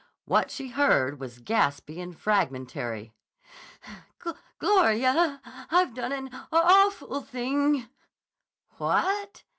What she heard was gaspy and fragmentary. "Gloria, I've done an awful thing!" "What?